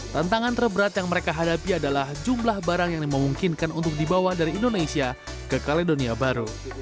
tantangan terberat yang mereka hadapi adalah jumlah barang yang dimungkinkan untuk dibawa dari indonesia ke kaledonia baru